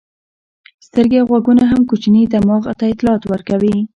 سترګې او غوږونه هم کوچني دماغ ته اطلاعات ورکوي.